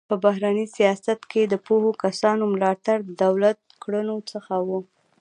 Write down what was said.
په بهرني سیاست کې د پوهو کسانو ملاتړ د دولت کړنو څخه و.